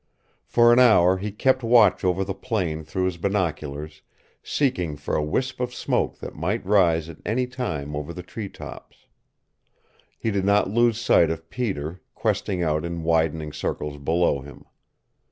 For an hour he kept watch over the plain through his binoculars, seeking for a wisp of smoke that might rise at any time over the treetops. He did not lose sight of Peter, questing out in widening circles below him.